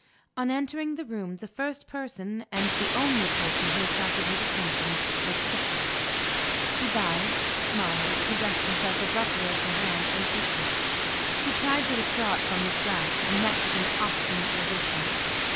On entering the room, the first person, and the only person, who attracted his attention was Cristel. He bowed, smiled, possessed himself abruptly of her hand, and kissed it. She tried to withdraw it from his grasp, and met with an obstinate resistance.